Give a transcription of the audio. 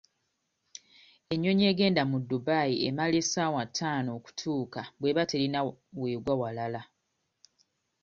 Ennyonyi egenda mu Dubai emala essaawa ttaano okutuuka bw'eba terina w'egwa walala.